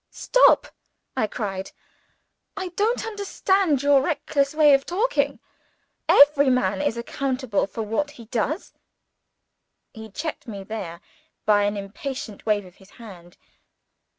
"Stop!" I cried. "I don't understand your reckless way of talking. Every man is accountable for what he does." He checked me there by an impatient wave of his hand.